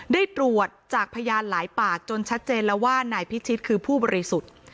ได้ตรวจจากพยานหลายปากจนชัดเจนแล้วว่านายพิชิตคือผู้บริสุทธิ์